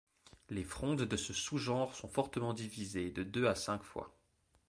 Les frondes de ce sous-genre sont fortement divisées, de deux à cinq fois.